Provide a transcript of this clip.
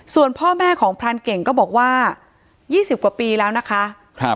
ส่วนพ่อแม่ของพรรณเก่งก็บอกว่ายี่สิบกว่าปีแล้วนะคะครับ